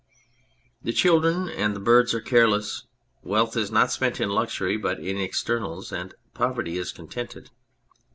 The children and the birds are careless. Wealth is not spent in luxury but in externals, and proverty is contented.